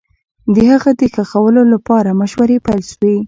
د هغه د ښخولو لپاره مشورې پيل سوې